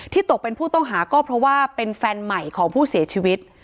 ตกเป็นผู้ต้องหาก็เพราะว่าเป็นแฟนใหม่ของผู้เสียชีวิต